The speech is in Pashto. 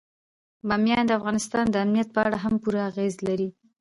بامیان د افغانستان د امنیت په اړه هم پوره اغېز لري.